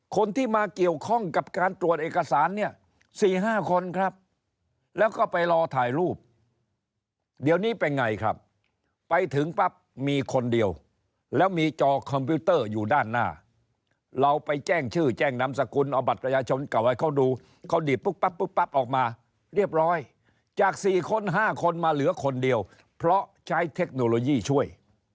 คนที่มาเกี่ยวข้องกับการตรวจเอกสารเนี่ย๔๕คนครับแล้วก็ไปรอถ่ายรูปเดี๋ยวนี้เป็นไงครับไปถึงปั๊บมีคนเดียวแล้วมีจอคอมพิวเตอร์อยู่ด้านหน้าเราไปแจ้งชื่อแจ้งนามสกุลเอาบัตรประชาชนเก่าให้เขาดูเขาดีดปุ๊บปั๊บปุ๊บปั๊บออกมาเรียบร้อยจาก๔คน๕คนมาเหลือคนเดียวเพราะใช้เทคโนโลยีช่วย